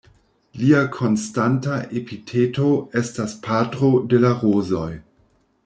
Lia konstanta epiteto estas "patro de la rozoj".